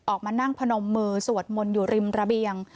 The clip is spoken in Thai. ออกมานั่งพนมมือสวดมนต์อยู่ริมระเบียง